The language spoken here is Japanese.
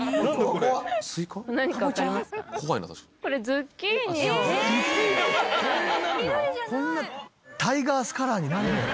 こんなタイガースカラーになるんや。